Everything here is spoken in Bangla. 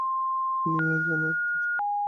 কী নিয়ে যেনো কথা বলছিলাম?